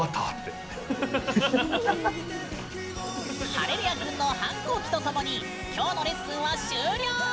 ハレルヤくんの反抗期とともにきょうのレッスンは終了！